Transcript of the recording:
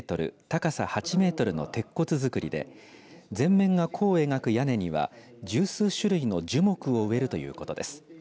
高さ８メートルの鉄骨造りで前面が弧を描く屋根には十数種類の樹木を植えるということです。